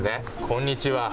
こんにちは。